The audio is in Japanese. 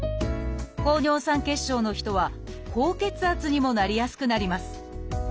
高尿酸血症の人は高血圧にもなりやすくなります。